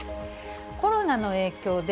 コロナの影響で、